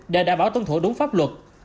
để đảm bảo tuân thủ đúng pháp luật